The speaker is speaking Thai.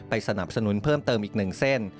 สนับสนุนเพิ่มเติมอีก๑เส้น